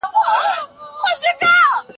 منظم آرونه د حکومت پر کړنو واکمني لري.